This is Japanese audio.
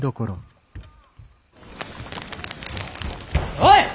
おい！